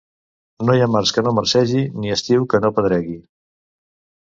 No hi ha març que no marcegi, ni estiu que no pedregui.